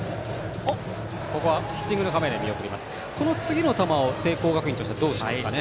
次の球、聖光学院としてはどうしますかね？